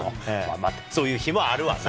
そういう日もあるわな。